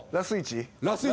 ラス１。